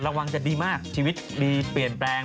ระวังจะดีมากชีวิตดีเปลี่ยนแปลง